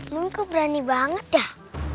mami kok berani banget dah